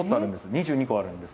２２個あるんです。